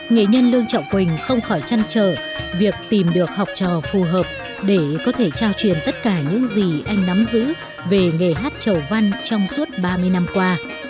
nghệ nhân lương trọng quỳnh không khỏi chăn trở việc tìm được học trò phù hợp để có thể trao truyền tất cả những gì anh nắm giữ về nghề hát chầu văn trong suốt ba mươi năm qua